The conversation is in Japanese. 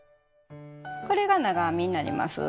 これが長編みになります。